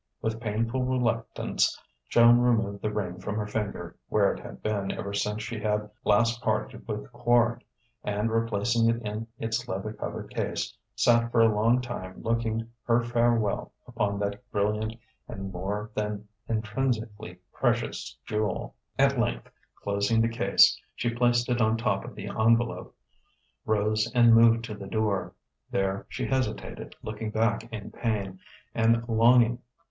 With painful reluctance, Joan removed the ring from her finger (where it had been ever since she had last parted with Quard) and replacing it in its leather covered case, sat for a long time looking her farewell upon that brilliant and more than intrinsically precious jewel. At length, closing the case, she placed it on top of the envelope, rose and moved to the door. There she hesitated, looking back in pain and longing.